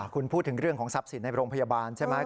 คุณพูดถึงเรื่องของทรัพย์สินในโรงพยาบาลใช่ไหม